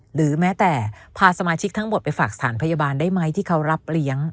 หรือแม้แต่พาสมาชิกทั้งหมดไปฝากสถานพยาบาลได้ไหมที่เขารับเลี้ยง